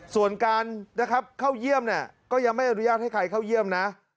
ส่วนการนะครับเข้าเยี่ยมก็ยังไม่อนุญาตให้ใครเข้าเยี่ยมนะ